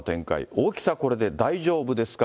大きさこれで大丈夫ですか？